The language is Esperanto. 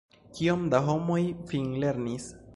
Kiom da homoj finlernis?